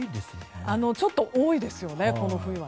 ちょっと多いですよね。